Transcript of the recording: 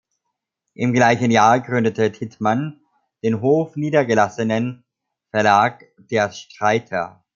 Im gleichen Jahr gründete Tittmann den in Hof niedergelassenen Verlag „Der Streiter“.